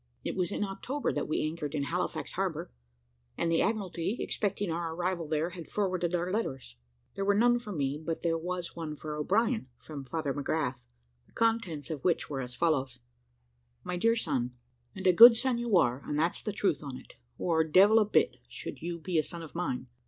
It was in October that we anchored in Halifax harbour, and the Admiralty, expecting our arrival there, had forwarded our letters. There were none for me, but there was one for O'Brien, from Father McGrath, the contents of which were as follows: "MY DEAR SON, "And a good son you are, and that's the truth on it, or devil a bit should you be a son of mine.